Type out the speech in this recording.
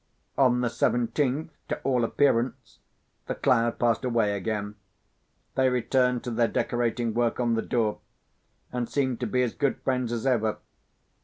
On the seventeenth, to all appearance, the cloud passed away again. They returned to their decorating work on the door, and seemed to be as good friends as ever.